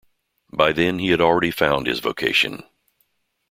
By then he had already found his vocation.